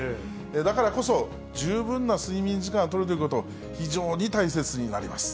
だからこそ、十分な睡眠時間をとるということが非常に大切になります。